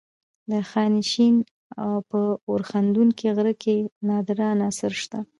د خانشین په اورښیندونکي غره کې نادره عناصر شته.